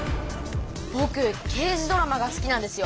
ぼく刑事ドラマが好きなんですよ。